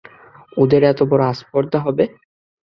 ওদের এত বড়ো আস্পর্ধা হবে?